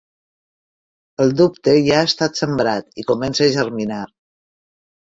El dubte ja ha estat sembrat i comença a germinar.